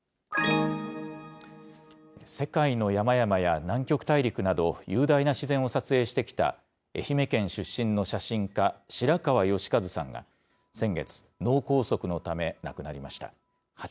世界の山々や南極大陸など、雄大な自然を撮影してきた、愛媛県出身の写真家、白川義員さんが、先月、脳梗塞のため亡くなりました。